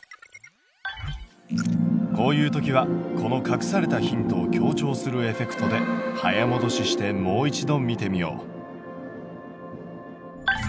こういう時はこの隠されたヒントを強調するエフェクトで早もどししてもう一度見てみよう。